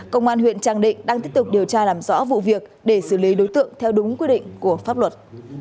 công an huyện trang định đang tiếp tục điều tra làm rõ vụ việc để xử lý đối tượng theo đúng quy định của pháp luật